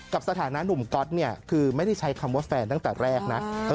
สถานะหนุ่มก๊อตเนี่ยคือไม่ได้ใช้คำว่าแฟนตั้งแต่แรกนะ